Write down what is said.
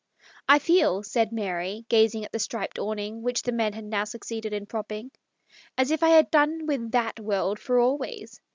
" I feel," said Mary, gazing at the striped awning which the men had now succeeded in propping, " as if I had done with that world for always.